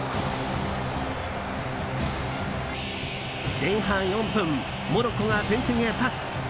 前半４分モロッコが前線へパス。